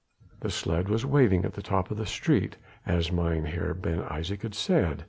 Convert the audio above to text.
The sledge was waiting at the top of the street, as Mynheer Ben Isaje had said.